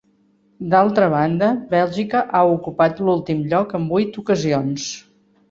D'altra banda, Bèlgica ha ocupat l'últim lloc en vuit ocasions.